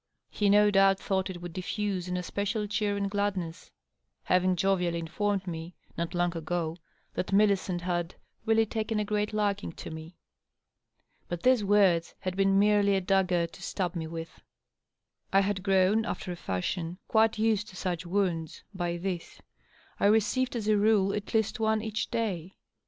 He no doubt thought it would diffuse an especial cheer and gladness, having jovially informed me, not long ago, that Millicent had " really taken a great liking to me." But these words had been merely a dagger to stab me with. I had grown, after a fashion, quite used to su(£ wounds, by this ; I received, as a rule, at least one each day.